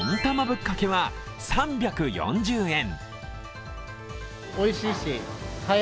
ぶっかけは３４０円。